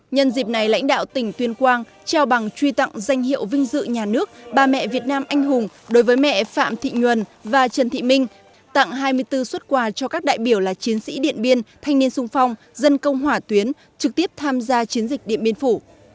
nhân dịp này lãnh đạo tỉnh tuyên quang trao bằng truy tặng danh hiệu vinh dự nhà nước bà mẹ việt nam anh hùng đối với mẹ phạm thị nguyền và trần thị minh tặng hai mươi bốn xuất quà cho các đại biểu là chiến sĩ điện biên thanh niên sung phong dân công hỏa tuyến trực tiếp tham gia chiến dịch điện biên phủ